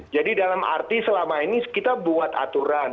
jadi dalam arti selama ini kita buat aturan